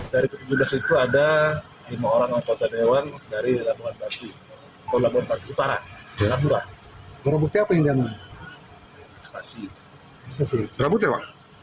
dari petunjuk dasar itu ada lima orang anggota dewan dari labuhan batu utara